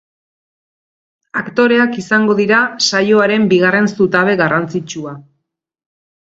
Aktoreak izango dira saioaren bigarren zutabe garrantzitsua.